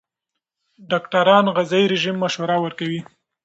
ډاکټران د غذايي رژیم مشوره ورکوي.